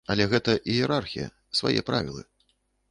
Але гэта іерархія, свае правілы.